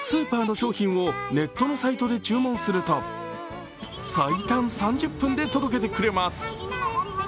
スーパーの商品をネットのサイトで注文すると最短３０分で届けてくれます。